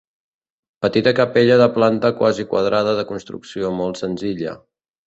Petita capella de planta quasi quadrada de construcció molt senzilla.